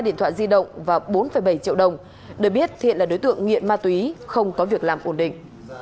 điện thoại di động và bốn bảy triệu đồng được biết thiện là đối tượng nghiện ma túy không có việc làm ổn định